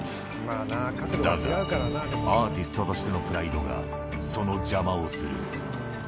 だが、アーティストとしてのプライドが、その邪魔をする。